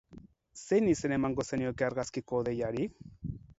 Zein izen emango zenioke argazkiko hodeiari?